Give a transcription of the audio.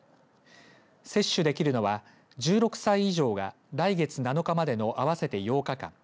接種できるのは１６歳以上が来月７日までの合わせて８日間。